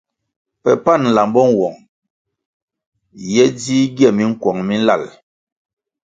Pe pan nlambo nwong ye dzih gie minkuong mi nlal.